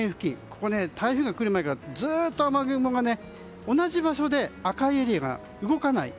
ここ、台風が来る前からずっと雨雲が同じ場所で、赤いエリアが動かない。